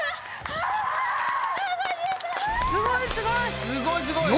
すごいすごい！